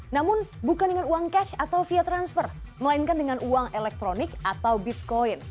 namun bukan dengan uang cash atau via transfer melainkan dengan uang elektronik atau bitcoin